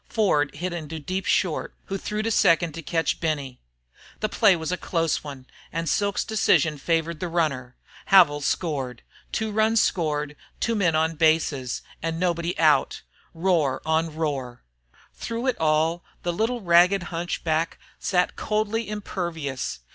Ford hit into deep short, who threw to second to catch Benny. The play was a close one, and Silk's decision favored the runner. Havil scored. Two runs scored, two men on bases, and nobody out! Roar on roar! Through it all the little ragged hunchback sat coldly impervious.